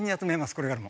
これからも。